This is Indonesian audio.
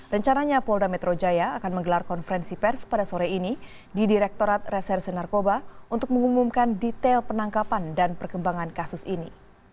rencananya polda metro jaya akan menggelar konferensi pers pada sore ini di direktorat reserse narkoba untuk mengumumkan detail penangkapan dan perkembangan kasus ini